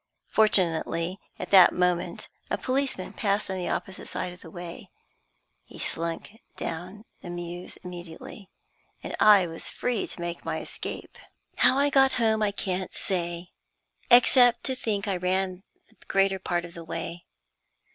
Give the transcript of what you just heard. Fortunately, at that moment, a policeman passed on the opposite side of the way. He slunk down the Mews immediately, and I was free to make my escape. How I got home I can't say, except that I think I ran the greater part of the way.